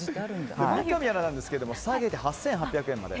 三上アナなんですが下げて８８００円で。